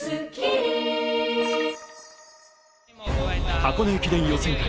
箱根駅伝予選会。